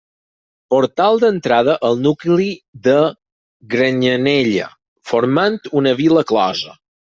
Portal d'entrada al nucli de Granyanella, formant una vila closa.